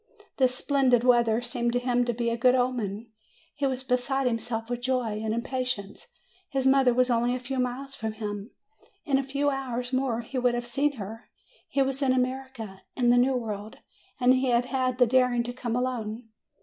This splendid weather seemed to him to be a good omen. He was beside himself with joy and impatience. His mother was only a few miles from him! In a few hours more he would have seen her! He was in America, in the New World, and he had had the daring to come alone!